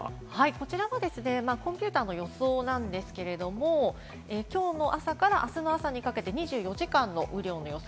こちらはコンピュータの予想なんですけれども、きょうの朝からあす朝にかけての２４時間の予想